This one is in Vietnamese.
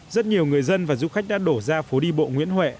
rất nhiều người dân và du khách đã đổ ra phố đi bộ nguyễn huệ